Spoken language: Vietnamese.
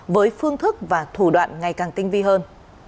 với phương thức và thủ đoạn ngày càng tinh vi hơn